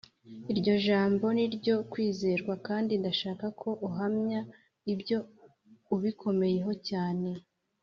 Iryo jambo ni iryo kwizerwa kandi ndashaka ko uhamya ibyo ubikomeyeho cyane